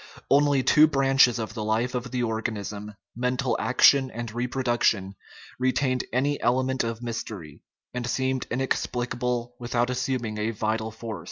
Only two branches of the life of the organism, mental action and reproduction, retained any element of mystery, and seemed inexplicable without assuming a vital force.